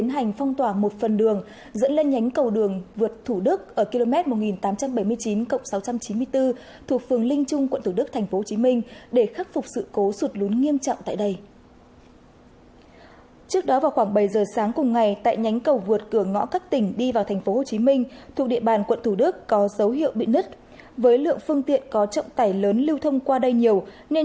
hãy đăng ký kênh để ủng hộ kênh của chúng mình nhé